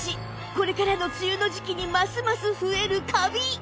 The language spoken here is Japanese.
これからの梅雨の時季にますます増えるカビ！